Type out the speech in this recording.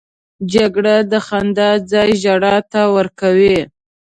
جګړه د خندا ځای ژړا ته ورکوي